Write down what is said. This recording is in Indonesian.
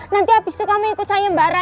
nanti abis itu kamu ikut sayembara